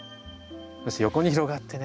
横に広がってね